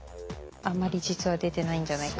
あんまり実は出てないんじゃないか。